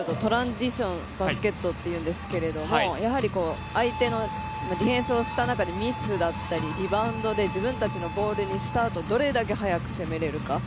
トランジションバスケットっていうんですけどやはり相手のディフェンスをした中で、ミスだったりリバウンドで自分たちのボールでリスタートどれだけ速く攻められるか。